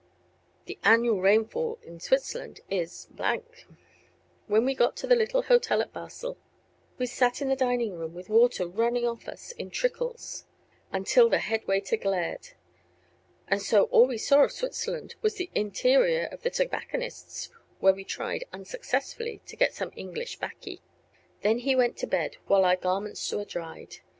(The annual rainfall in Switzerland is .) When we got to the little hotel at Basel we sat in the dining room with water running off us in trickles, until the head waiter glared. And so all we saw of Switzerland was the interior of the tobacconist's where we tried, unsuccessfully, to get some English baccy. Then he went to bed while our garments were dried.